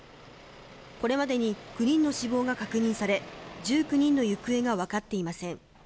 これまでに９人の死亡が確認され、１９人の行方が分かっていません。